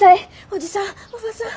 おじさんおばさん。